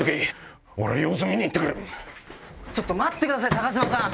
ちょっと待ってください嶋さん！